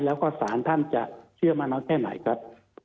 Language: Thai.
แล้วก็สารท่านจะเชื่อมากน้อยแค่ไหนครับ